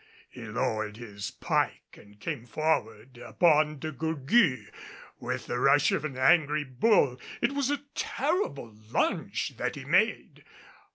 He lowered his pike and came forward upon De Gourgues with the rush of an angry bull. It was a terrible lunge that he made.